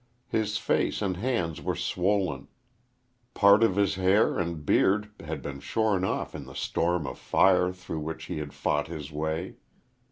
His face and hands were swollen; part of his hair and beard had been shorn off in the storm of fire through which he had fought his way.